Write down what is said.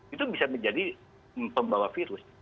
itu bisa menjadi pembawa virus